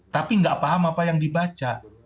tapi nggak paham apa yang dibaca